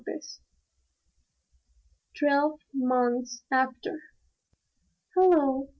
III. TWELVE MONTHS AFTER Hullo!